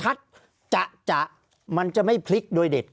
ภารกิจสรรค์ภารกิจสรรค์